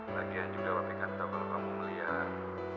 lagian juga papi kasih sabar kamu melihat